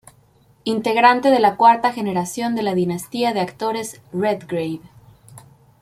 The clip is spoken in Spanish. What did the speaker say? Integrante de la cuarta generación de la dinastía de actores Redgrave.